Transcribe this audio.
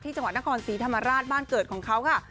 จังหวัดนครศรีธรรมราชบ้านเกิดของเขาค่ะ